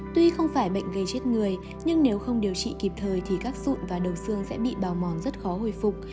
tuy không phải bệnh gây chết người nhưng nếu không điều trị kịp thời thì các sụn và đầu xương sẽ bị bào mòn rất khó hồi phục